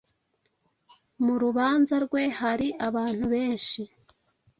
Mu rubanza rwe hari abantu benshi